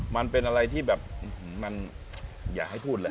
มันเป็นอะไรที่แบบมันอย่าให้พูดเลย